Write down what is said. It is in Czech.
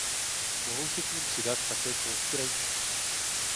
Mohou se k nim přidat také kousky rajčat.